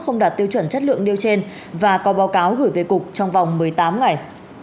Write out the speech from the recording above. không đạt tiêu chuẩn chất lượng nêu trên và có báo cáo gửi về cục trong vòng một mươi tám ngày